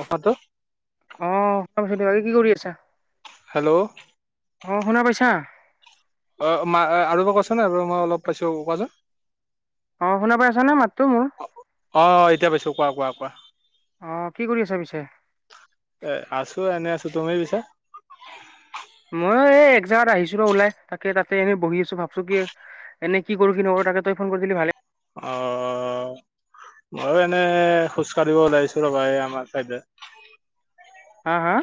অকাত- [inaudible] [unintelligible] কি কৰি আছা? হেল্ল'- অ শুনা পাইছা? অ মা আৰু এবাৰ কোৱা চোন আৰু এবাৰ টবাৰ মই অলপ পাইছোঁ কোৱাচোন- অ শুনা পাই আছা নে মাতটো মোৰ? আহ এতিয়া পাইছোঁ কোৱা কোৱা কোৱা। অ কি কৰি আছা পিছে? এ আছোঁ এনে আছোঁ, তুমি পিছে? মই এই একজেগাত আহিছিঁলো ওলাই তাকে তাতে এনেই বহি আছো ভাবছো কি- এনে কি কৰোঁ কি নকৰোঁ তাকে তই ফোন কৰি দিলি ভালে- অ ময়ো এনে খোজ কাঢ়িব ওলাইছো ৰবা এই আমাৰ চাইদে হা হা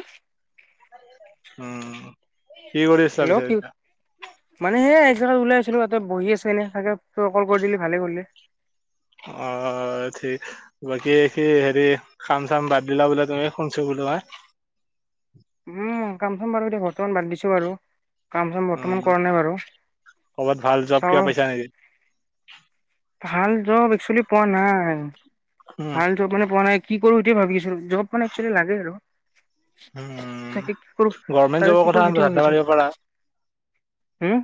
উম কি কৰি আছা হেল্ল' পিছে? কি মানে সেই একজেগাত ওলাই আছিলো তাতে বহি আছোঁ এনেই তাকে তই কল কৰি দিলি ভালে কৰিলি অ ঠিক বাকী কি হেৰি খাম চাম বাদ দিলা বোলে তুমি শুনছো। [unintelligible] উম কাম চাম বাৰু এতিয়া বৰ্তমান বাদ দিছো বাৰু কাম চাম উম বৰ্তমান কৰা নাই বাৰু। ক'ৰবাত ভাল জব কিবা চাওঁ পাইছা [inaudible] ভাল জব একচুৱেলি পোৱা নাই, উম ভাল জব মানে পোৱা নাই কি কৰোঁ সেইটোৱে ভাবিছো জব মানে একচুৱেলী লাগে আৰু। উম তাকে কি কৰো গভমেণ্ট তাকে জবৰ কি কথা কৰো সেইটোৱে ধান্দা ভাবিছো। মাৰিব পাৰা হম?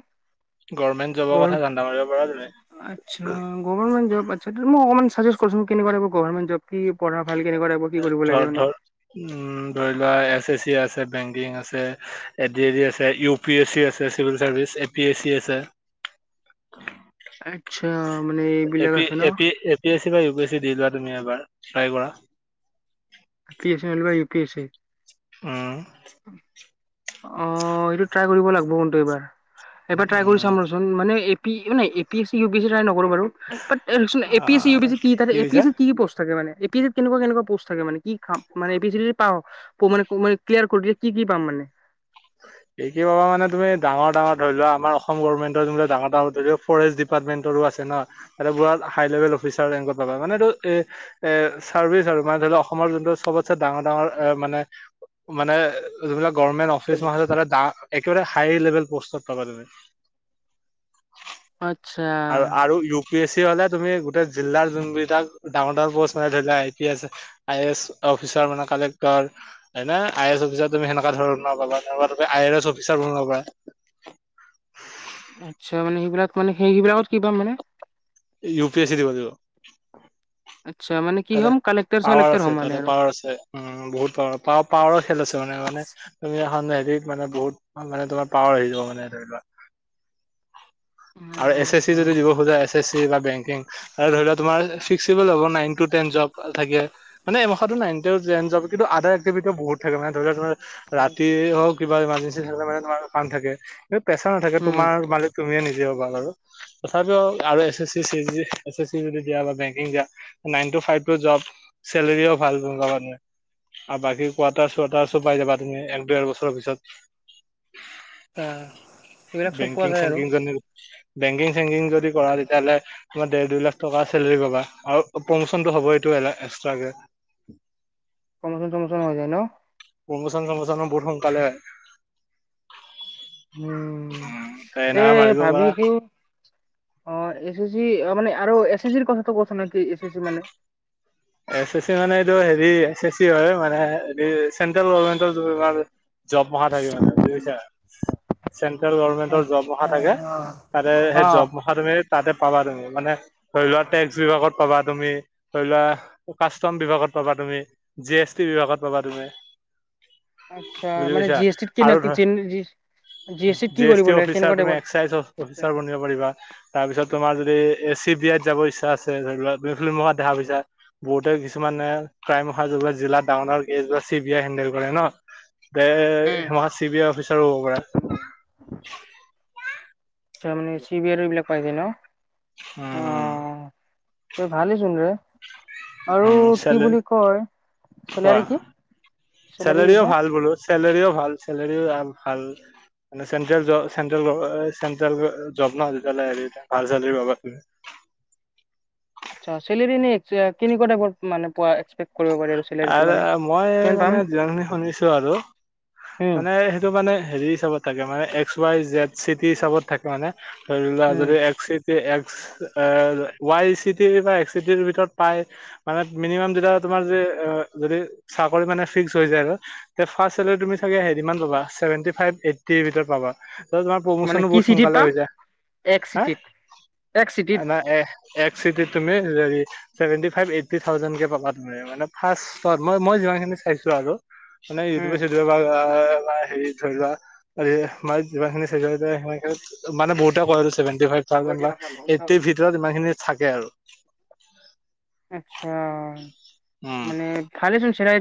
গভমেণ্ট জবৰ কথা ধান্দা মাৰিব পাৰা তুমি আচ্ছা। গভাৰ্ণমেণ্ট জব অকনমান ছাজেষ্টছঁ কৰ চুন কেনেকুৱা টাইপৰ গভাৰ্ণমেণ্ট জব। কি পঢ়া ভাল কেনেকুৱা টাইপৰ কি কৰিব ধ লাগে ধ মানে উম ধৰি লোৱা এছ এ চি আছে আছে বেংকিং আছে এ ডি এ ডি আছে ইউ পি এছ চি আছে civil service A P S C আছে। আচ্ছা মানে এইবিলাক আছে ন এ পি এছি বা ইউ পি এছি দি দ তুমি এবাৰ ট্ৰাই কৰা পি এছ ই হালিবা ইউ পি এছ ই উম অ এইটো ট্ৰাই কৰিব লাগিব কোনটো এইবাৰ এবাৰ ট্ৰাই কৰি চাম উম ৰচোন মানে A P S C E Piu S ই নকৰোঁ বাৰু বাত এ পি এছ ই উ আহ, পি কৈছা এছ ই কি পষ্ট থাকে মানে। এ পি চিত কেনেকুৱা কেনেকুৱা পষ্ট থাকে মে কি খাম মানে পি চি পা মান মান ক্লিয়াৰ কৰি দ কি কি পাম মানে উ এই কি বাব মানে তুমি ডাঙৰ ডাঙৰ ধৰি লোৱা আমাৰ অসম গভৰ্মেণ্টৰ ডাঙৰ ডাঙৰ ধৰি ল ফৰেষ্ট ডিপাৰটমেণ্টৰো আছে আছে ন। তাতে হাইলেৱল অফিচাৰ লিংকত পাবা মানে এইটো চাৰ্ভিচ আৰু। অসমৰ জোনটো চবছে ডাঙৰ, ডাঙৰ এ মানে যিবিলাক গৰ্মেন্ত মাহ একেবাৰে হাই লেভেল পষ্টত পাব আচ্ছা আৰু আৰু ইউ পি এ চি হলে তুমি গোটেই জিলাৰ যোনবিলাক ডাঙৰ ডাঙৰ পষ্ট মানে ধৰি লোৱা I P S I A S office কাল আ এ অফিচ তুমি সেনেকা ধৰা তই আই এছ অফিচাৰ বনাবা [unintelligible] আচ্ছা মানে সেইবিলাক মানে স সেইবিলাকত কি কৰিম মানে ইউ পি এছ চি দিব লাগিব। আচ্ছা মানে কি ততে হ'ম কালেক্টাৰ পাৱাৰ চালেক্টাৰ আছে হ'ম মানে ততে আৰু। পাৱাৰ আছে উ বহুত পাৱাৰ পাৱ পাৱাৰ খেল আছে মানে মানে তুমি এখন হেৰিত মানে বহুত মানে তোমাৰ পাৱাৰ আহি যাব মানে ধৰি লোৱা হয় আৰু এছ এছ চি যদি দিব খোজা এছ এছ চি বা বেংকিং আৰু ধৰি লোৱা তোমাৰ ৰিক্স ল'ব নাইন টো টেন জব থাকে মানে এহামাটো নন ন জ কিন্তু আদাৰ এক্টিভিটিও বহুত থাকে মানে ধ লওাৰ ৰাতি হওক কিবা ইমাৰ্জেঞ্চি থাকলে মানে তোমাৰ পান থাকে এই প্ৰেছাৰ নাথাকে উম তোমাৰ মালিক তুমিয়ে নিজ [unintelligible] নাইন টু ফাইভ টো জব চেলেৰিও ভাল পাবা তুমি আৰু বাকী কোৱাৰটাৰ চোৱাটাৰ চব পাই যাবা তুমি এক দুৰ বছৰৰ পিছত আ এইবিলাক চব পোৱা বেংকিং যায় আৰু। চেংকিং জ নি। বেংকিং চেংকিং যদি কৰা তেতিয়াহ'লে তমাৰ দেৰ দুই লাখ টকা চেলেৰি পাবা আৰু। প্ৰমোচনটো হ'ব এইটো এলা এক্সট্ৰাকে। প্ৰমোশন চমোচন হৈ যায় ন। প্ৰমোচন চমোচান বহুত সোনকালে হয়। উম এনা এ মাৰিব পাৰা ভাবিছো। অ এ। চি মানে আৰু এছ চি চিৰ কথাটো কচুন এটি এছ ছি ছি মানে? এছ চি চি মানে এইটো, হেৰি এ চে চি হয় মানে হে চেন্ট্ৰেল গভামেন্টৰ। জপ মহা থাকিব মানে বুজি পাইছা? চেন্ট্ৰেল গভাৰ্মেণ্টৰ জবমহা থাকে। তাতে সেই অ। জবমহা তুমি। তাতে পাবা তুমি মানে ধৰি লোৱা টেক্স বিভাগত পাবা তুমি, ধৰি লোৱা কাষ্টম বিভাগত পাবা তুমি, জি এছ টি বিভাগত পাবা তুমি। আচ্ছা বুজি মানে পাইছা জি এছ টিত আৰু ধৰ কীন [unintelligible] জি এছ টি অফিচাৰ তুমি এক্সাইজ অফিচাৰ বনিব পাৰিবা। তাৰ পিছত তোমাৰ এ চি বি আইত যাব ইচ্ছা আছে [unintelligible] দেখা পইছা। বহুতে কিছুমানে ক্ৰাইম অহা যোগত জিলাত ডাঙৰ ডাঙৰ কে বা। দে উম, সেমাহত চি বি আই অফিচাৰো হ'ব পাৰা। আচ্ছা মানে চি বি আইৰো এইবিলাক পাই গে ন। অ উম তই ভালেইচোন ৰে। আৰু উম কি চালে। বুলি কয় কোৱা? চেলাৰী কি চেলাৰী চেলেৰীও কৈছা? ভাল বোলো চেলেৰীও ভাল চেলেৰিও আল ভাল। মানে চেণ্ট্ৰেল য চেণ্ট্ৰেল জব ন। তিয়া ভাল চেলেৰী পাবা তুমি। আচ্চা চেলেৰী [unintelligible] কিনিকোৱা টাইপত মানে পোৱা কৰিব পাৰি চেলেৰিটো আৰু মানে মই কিমান পাম? মানে যিমানখিনি শুনিছো আৰু। উম, মানে সেইটো মানে হেৰি হিচাপত থাকে মানে। এক্স ৱাই জেথ চিটি হিচাপত থাকে মানে। ধৰি লোৱা উম, যদি এক্স। যে এক্স ৱাই চি টিৰ বা এক্স চি টিৰ ভিতৰত পাই মানে মিনিমাম যেতিয়া। তোমাৰ যে যদি চাকৰী মানে ফিক্স হয় যে আৰু হে ফাষ্ট চেলেৰী তুমি চাগে হেৰি মান পাবা। ছেভেণ্টি ফাইভ, এইটটি ভিতৰত পাবা। তত তোমাৰ মানে প্ৰমোচনো কি বহুত চিটিত সোনকালে পাম? হৈ যায়। এক হা চিটিত এক চিটিত ন এ। এক চিটিত তুমি really seventy five eighty thousand কে পাবা। মানে ফাৰ্ষ মই মই যিমানখিনি চাইছো আৰু মানে উম ইউটিউবে চিতুউবে বা আ। হেৰি ধৰি লোৱা মানে মাছ যিমান খিনি সিমানখিনিত মানে বহুতে কয় এতো। ছেভেন্তি ফাইভ থাওজেণ্ড লয়। এইটিৰ ভিতৰত ইমানখিনি থাকে আৰু। আচ্ছা উম মানে ভালে চোন চেৰাই।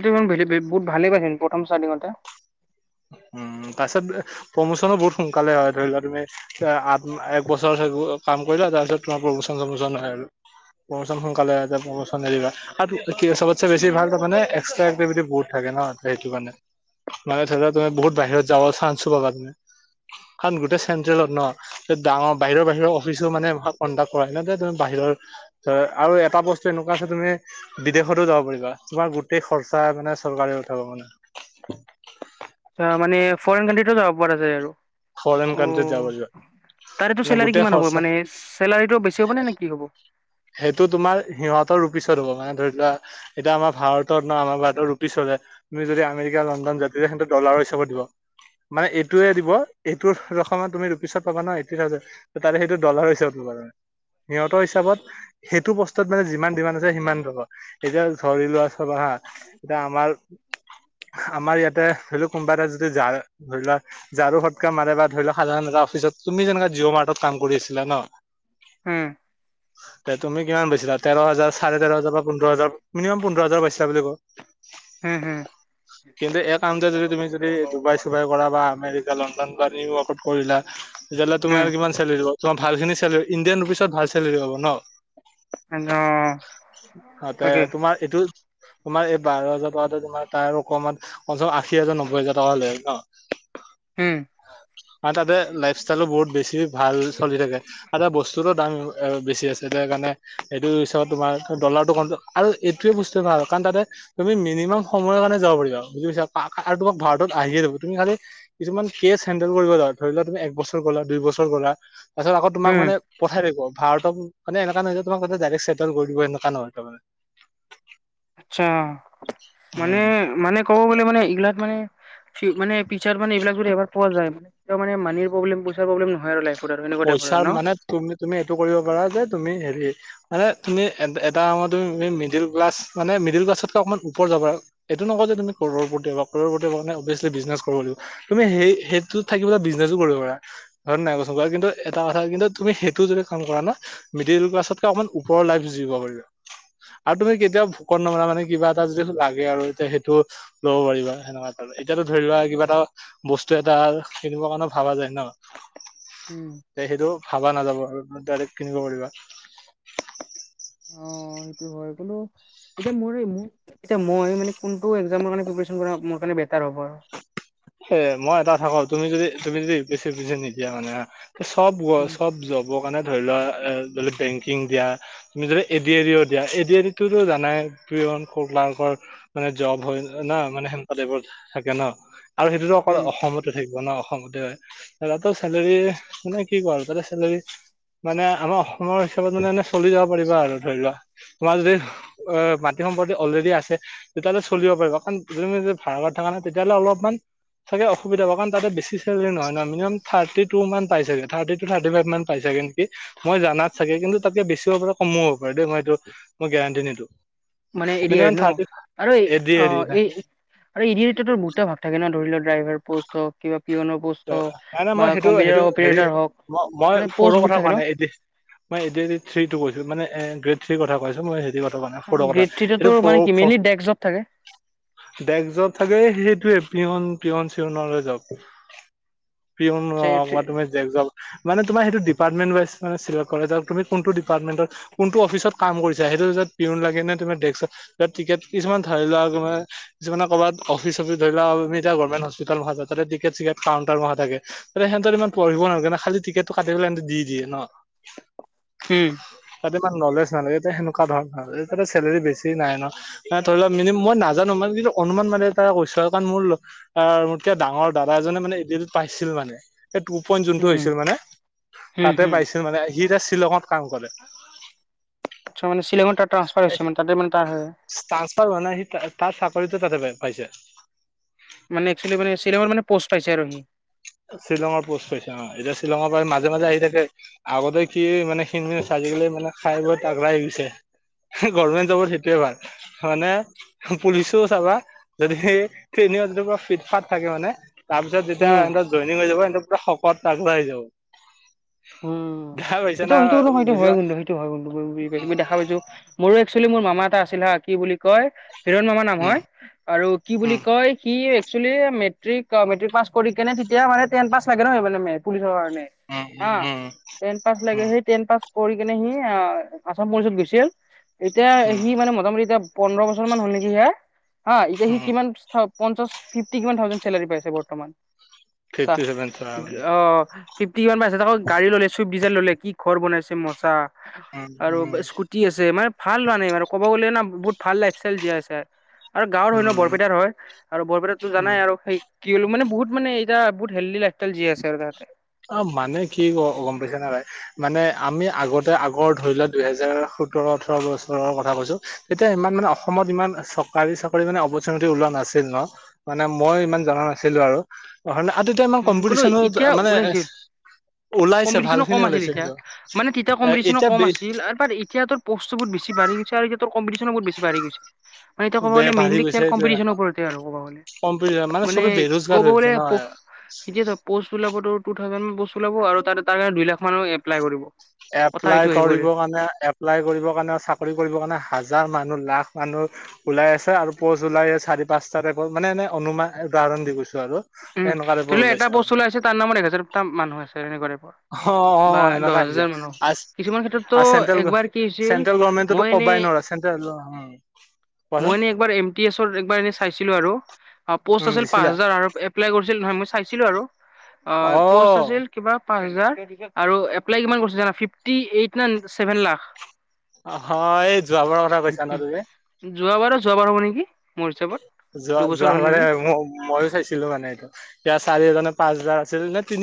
বহুত ভালেই পাইছিল প্ৰথম ষ্টাৰ্টিঙতে। উম, তাৰ পিছত প্ৰমোচনো বহুত সোনকালে হয় ধৰি লোৱা তুমি আ এক বছৰ। কাম কৰিলা তাৰপিছত তোমাৰ প্ৰমোচন চমোচন হয় আৰু। প্ৰমচন সোনকালে হয় যাব প্ৰমচন এৰিবা আৰু চবতচে বেছি ভালটো তাৰে এক্স্ৰা এক্টিভিটি বহুত থাকে। সেইটো কাৰণে মানে ধৰি লোৱা তুমি বহুত বাহিৰত যাব চান্সো পাবা তুমি। কাৰণ গোটেই চেন্ট্ৰেলত ন। ডাঙৰ বাহিৰৰ বাহিৰৰ অফিচো মানে কণ্ডাক্ট কৰাই। ন তুমি বাহিৰত। ধৰ ধৰ আৰু এটা বস্তু এনেকুৱা আছে তুমি বিদেশতো যাব পাৰিবা। তোমাৰ গোটেই খৰচা। নাই চৰকাৰে পথাব মানে। অ মানে ফৰেন কানট্ৰিতো যাব পৰা যায় আৰু। ফৰেন কণ্ট্ৰি যাব যোৱা। তাৰএটো চেলাৰী কিমান হ'ব মানে? চেলাৰীটো বেছি হব নে নে কি হ'ব? সেইটো তোমাৰ সিহঁতৰ ৰূপিছত হ'ব মানে ধৰি। লোৱা এতিয়া আমাৰ ভাৰত ন আমাৰ ভাৰতত ৰূপি চলে। তুমি যদি আমেৰিকা, লণ্ডন জাতি সিহঁতে ডলাৰ হৈ। দিব দিব মানে এইটোয়ে দিব। এইটো ৰকমত তুমি ৰুপিচত পাবা ন এইটি থাউজেন তাত সেইটো ডলাৰ হিচাপত পাবা মানে। সিহতৰ হিচাপত, সেইটো বস্তুত মানে যিমান ডিমান্ড আছে সিমান পাবা। এতিয়া ধৰি লোৱা চাবা হা। এতিয়া আমাৰ আমাৰ ইয়াতে ধৰি লও কোনোবা এটা যদি যায়, ধৰি লোৱা যাৰো [unintelligible] মাৰে বা ধৰি লওক সাধাৰণ এটা অফিচত তুমি যেনেকুৱা জিঅ'মাৰ্টত কাম কৰি আছিলা ন। হুম। তাত তুমি কিমান পাইছিলা? তেৰ হাজাৰ, চাৰে তেৰ হাজাৰ বা পোন্ধৰ হাজাৰ? মিনিমাম পোন্ধৰ হাজাৰ পাইছিলা বুলি কওঁ। উম উম কিন্তু এই কামটোৱে যদি তুমি যদি ডুবাই-চুবাইত কৰা বা আমেৰিকা, লণ্ডন বা তুমি [unintelligible] কৰিলা তেতিয়াহ'লে তোমাৰ উম কিমান চেলাৰী হ'ব তোমাৰ ভালেখিনি চেলাৰী ইণ্ডিয়ান অফিচত ভাল চেলেৰী হ'ব ন। অ তাতে তাকে তোমাৰ এইটো তোমাৰ এই বাৰ হাজাৰ টকাটো তোমাৰ তাৰ অকমান কমচেকম আশী হাজাৰ, নব্বৈ হাজাৰ টকা হ'লে ন [unintelligible] হুম। আৰু তাতে লাইফ ষ্টাইলো বহুত বেছি ভাল চলি থাকে আৰু তাত বস্তুতো দাম এ বেছি আছে এতিয়া কাৰণে সেইটো পিছত তোমাৰ ডলাৰটো কম আৰু এইটোৱে বস্তু ভাল কাৰণ তাতে তুমি মিনিমাম সময়ৰ কাৰণে যাব পাৰিবা বুজিছা [unintelligible] আৰু তোমাক ভাৰতত আহিয়ে যাব তুমি খালি কিছুমান কেচ হেন্ডেল কৰিবা তাত। ধৰি লোৱা তুমি এক বছৰ গ'লা, দুই বছৰ গ'লা তাৰ পিছত আকৌ তোমাক উম মানে পঠাই থাকিব। ভাৰতত, মানে এনেকুৱা নহয় যে তোমাক হয়তো ডাইৰেক্ট চেটেল কৰি দিব এনেকুৱা নহয় তাৰ মানে। আচ্ছা মানে-মানে ক'ব গ'লে মানে এইগিলাত মানে। মানে ফিচাৰ মানে এইবিলাক যদি এবাৰ পোৱা যায় মানে মানিৰ প্ৰব্লেম, পইচাৰ প্ৰব্লেম নহয় আৰু লাইফত। আৰু এনেকুৱা টাইপৰ পইচা আৰু ন? মানে তুম-তুমি এইটো কৰিব পাৰা যে তুমি হেৰি মানে তুমি এ-এটা সময়ত তুমি মিডিল ক্লাছ মানে মিডিল ক্লাছতকে অকমান ওপৰ যাব আৰু এইটো নকও যে তুমি কৰৰপতি হবা, কৰৰপতি হ'বলৈ তুমি অবভিয়াছলি বিজনেছ কৰিব লাগিব। তুমি সেই-সেইটোত থাকিব বিজনেছো কৰিব পাৰা। হয় নে নাই কোৱাচোন? তেনেকুৱা কিন্তু এটা কথা কিন্তু তুমি সেইটো যদি কাম কৰা না মিডিল ক্লাছতকৈ অকমান ওপৰৰ লাইফ যিব পাৰিবা। [inaudible] আৰু তুমি কেতিয়াও ভোকত নমৰা মানে কিবা এটা যদি লাগে আৰু তেতিয়া সেইটো ল'ব পাৰিবা সেনেকা টাইপৰ। এতিয়াতো ধৰি লোৱা কিবা এটা বস্তু এটা কিনিবৰ কাৰণে ভাবা যায় ন। উম, তে সেইটো ভাবা নাযাব আৰু ডাইৰেক্ট কিনিব পাৰিবা। অ' সেইটো হয়। কিন্তু এতিয়া মোৰ ম এ মো, এতিয়া মই মানে কোনটো এক্সামৰ কাৰণে প্ৰিপেৰেচন কৰা মোৰ কাৰণে বেটাৰ হ'ব আৰু। হে মই এটা কথা কওঁ তুমি যদি তুমি যদি ইউপিএছচি ইউপিএছচি নিদিয়া মানে চব গ উম। চব জবৰ কাৰণে ধৰি লোৱা এ যদি বেংকিং দিয়া তুমি যদি এডিআইও দিয়া, এডিআই টো ত জানাই [unintelligible] মানে জব হয় ন মানে সেনেকুৱা টাইপৰ থাকে ন। আৰু সেইটোতো অকল উম, অসমতে থাকিব ন অসমত। সেইটো হয়, তাতো চেলেৰী মানে কি কও আৰু তাতো চেলেৰী মানে আমাৰ অসমৰ হিচাপত মানে এনে চলি যাব পাৰিবা আৰু ধৰি লোৱা তোমাৰ যদি এ মাটি সম্পত্তি অলৰেডী আছে তেতিয়াহলে চলিব পাৰিব কাৰণ তুমি যদি ভাৰত থকা নহয় তেতিয়াহ'লে অলপমান চাগে অসুবিধা পাবা কাৰণ তাতে বেছি চেলাৰী নহয় ন মিনিমাম থাৰ্টি টু মান পায় চাগে। থাৰ্টি টু, থাৰ্টি ফাইভ মান পাই চাগে নেকি? মই জানাত চাগে, কিন্তু তাতকৈ বেছি হ'ব পাৰে, কমোও হ'ব পাৰে দেই। মই এইটো, মই গেৰাণ্টি নিদিওঁ। মানে এ দি আৰ ই ন আৰু এই এ দি অ এ দি নাই এই আৰু এ দি আৰ ই ত বহুতটা ভাগ থাকে ন ধৰি লোৱা ড্ৰাইভাৰ পোষ্টত হওক, কিবা পিয়নৰ পোষ্ট ত হওক তেণে বা মই সেইটো কম্পিউটাৰ সেইটো হেৰি অপাৰেটাৰ হওক ম মই মানে সৰু প'ষ্ট বহুত কথা থাকে কোৱা ন? নাই এটি মই A D R E three টো কৈছোঁ মানে গ্ৰেড থ্ৰী কথা কৈছোঁ। [unintelligible] কথা গ্ৰেড থ্ৰীটো এইটো তোৰ মানে কি ফ-ফ মেইনলি ডেস্ক জব ডেশ য'ত থাকে সেইটোৱে পিয়ন পিয়ন চিৰণলৈ যাওক। পিয়ন অৱা থাকে। তুমি জেল জাল মানে তোমাৰ সেইটো ডিপাৰ্টমেণ্টৱাইজ [unintelligible] কৰে তুমি কোনটো ডিপাৰ্টমেণ্টত, কোনটো অফিচত কাম কৰিছা। সেই যে পিউন লাগে নে তোমাৰ ডেস্কত বা টিকেট কিছুমান ধৰি লোৱা আৰু মানে কিছুমানে কবাত অফিচ-অফিচ ধৰি লোৱা আমি এতিয়া গভৰ্ণমেণ্ট হস্পিটেল নোহোৱা য'ত টিকেট চিকেট কাউণ্টাৰ মহা থাকে, তাতে সেনতৰ ইমান পঢ়িব নালগে ন, খালি টিকেটটো কাটি পেলে সেনতে দি দিয়ে ন? উম। তাতে ইমান নলেজ নালাগে তে সেনেকুৱা ধৰণৰ এতাতে চেলেৰি বেছি নাই ন, আ ধৰি ল‌ মিনি মই নাজানো মানে যিটো অনুমান মানে এটা কৈছো কাৰণ মোৰ আ মোত কে ডাঙৰ দাদা এজনে মানে এইটোত পাইছিল মানে। সেই টু পইণ্ট যোনটো উম। হৈছিল মানে হুম তাতে হুম পাইছিল মানে সি এতিয়া শ্বিলঙত কাম কৰে। আচ্ছা মানে শ্বিলংত তাত তানচ্ফাৰ হয় নাই সি তাৰ চাক কৰিত তাতে পা - পাইছে। মানে একচুৱেলি মানে শ্বিলঙৰ মানে প'ষ্ট পাইছে আৰু সি। শ্বিলঙৰ পোষ্ট পাইছে অ', এতিয়া শ্বিলঙৰ পৰা মাজে মাজে আহি থাকে আগতে কি মানে খিন মিন আছিল। আজিকালি মানে খাই বই তাগৰা হৈ‌ গিছে। হে গৰমেন্ট জবৰ সেইটোয়ে ভাল, মানে পুলিচো চাবা যদি সে জোনে জেনেকোৱা ফিট ফাট থাকে হয় নে তাৰ পিছত যেতিয়া উম এনতৰ জইনিং হৈ যাব এনতৰ পুৰা শকত তাগৰা হৈ যাব। উম, দেখা পাইছা সিটো না সিটো কিন্তু হয় সিটো বুজি হয় পা কিন্তু ‌সিটো হয়‌ [unintelligible] মই বুজি পাইছোঁ, মই দেখা পাইছো মোৰো এক্স ছলি মোৰ মামা এটা আছিল হা কি বুলি কয় হিৰণ মামা নাম উম হয় আৰু কি বুলি উম কয় কি একচলি মেট্ৰিক অ মেট্ৰিক পাছ কৰি কেনে তেতিয়া মানে টেন পাছ লাগে ন পুলিচৰ কাৰণে। উম উম আহ উম টেন পাছ লাগে, উম সেই টেন পাছ কৰি কেনে সি আছাম পুলিচত গৈছিল এতিয়া উম সি মানে মোটামুটি এতিয়া পোন্ধৰ বছৰ মান হল নেকি সিয়াৰ অ এতিয়া সি উম কিমান পঞ্চাছ ফিফটি কিমান থাউজেন চেলাৰি পাই আছে বৰ্তমান। চা, ফিফটি চেভেন চোৱা অ'। ফিফটি কিমান পাই আছে তাকো গাড়ী ল'লে চুইফ ডিজায়াৰ ল'লে, কি ঘৰ বনাইছে মজা। উম আৰু উম স্কুটি আছে মানে ভাল মানে আৰ' ক'ব গ'লে না বহুত ভাল লাইফ ষ্টাইল জীয়াই আছে। আৰু গাঁৱৰ হয় ন উম বৰপেটাৰ হয় আৰু বৰপেটাত টো উম জানাই আৰ' কি হলো মানে বহুত মানে এতিয়া বহুত হেল্দি লাইফ ষ্টাইল জীয়াই আছে আৰু তাহাঁতে। অ' মানে কি অ গম পাইছে না ভাই মানে আমি আগতে আগৰ ধৰি লোৱা দুহেজাৰ সোতৰ ওঠৰ বছৰৰ কথা কৈছো তেতিয়া ইমান মানে অসমত ইমান চকাৰী চাকৰি মানে অপৰচুনিটি ওলোৱা নাছিল ন মানে মই ইমান জানা নাছিলো আৰু। [unintelligible] আদিতে ইমান উম কোনো কম্পিটিচনো দ এতিয়া মানে [inaudible] ওলাইছে ভাল কম্পিটিচনো খিনি কম আছিল ওলাইছে তেতিয়া কিন্তু মানে তেতিয়া এ কম্পিটিচনো এতিয়া কম আছিল আ‌ৰ পাৰ এতিয়াতোৰ প'ষ্টো বহুত বেছি বা বাঢ়ি গিছে আৰু এতিয়া তোৰ কম্পিটিচনো বহুত বেছি বাঢ়ি গৈছে। মানে এতিয়া কব বে গলে মেইলি খেল কম্পিটিচনৰ ওপৰতে আৰু কবা গ'লে। কম্পিটিছন মানে চবে বেৰোজগাৰ হৈ আছে ন এতিয়া চোৱা প'ষ্ট বিলাকতো টু থাউজেন্ড পষ্ট ওলাব আৰু তাতে তাৰে দুই লাখ মান এপলাই কৰিব। কথা এপ্লাই এইটো আহিব কৰিব ৰে। কাৰণে এপ্লাই কৰিবৰ কাৰণে চাকৰি কৰিব কাৰণে হাজ হাজাৰ মানুহ লাখ মানুহ ওলাই আছে আৰু পজ ওলাই চাৰি পাঁচটা টাইপৰ মানে এনে অনুমান উদা কাৰণ দি গৈছো আৰু। উম, এনেকুৱা টাইপৰ ধৰি লোৱা এটা ওলাইছে আৰু পোষ্ট ওলাইছে তাৰ নামত এক হাজাৰ তা মানুহ আছে এনেকুৱা টাইপৰ। অ' অ' বা অ' দহ এনেকুৱা ইজৰা হাজাৰ মানুহ কিছুমান ক্ষেত্ৰততো আ চেণ্টেল একবাৰ কি - হৈছিল চেন্ট্ৰেল গভৰ্মেণ্টতটো মই এনে কবাই নৰা চেণ্ট্ৰেল উম কোৱাচোন মই এনে একবাৰ এম টি এচৰ একবাৰ এনে চাইছিলোঁ আৰু, পোষ্ট উম আছিল পাঁচ দিছিলা হাজাৰ আৰু এপ্লাই কৰছে [unintelligible] মই চাইছিলোঁ আৰু, অ পোষ্ট আছিল কিবা পাঁচ হাজাৰ আৰু এপ্লাই কিমান কৰছে জানা ফিফটি এইট না ছেভেন লাখ। হ এই যোৱা বাৰৰ কথা কৈছা ন তুমি? যোৱাবাৰৰ যোৱাবাৰ হ'ব নেকি মোৰ হিচাপত। যোৱা - দুবছৰ হ'ল যোৱাবাৰে নেকি হয়, ময়ো চাইছিলো মানে এইটো তেতিয়া চাৰিহাজাৰ নে পাঁচ হাজাৰ আছিল নে তিনি